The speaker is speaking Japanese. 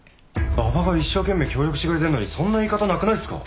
馬場が一生懸命協力してくれてんのにそんな言い方なくないっすか？